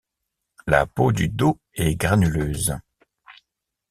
La peau du dos est granuleuse.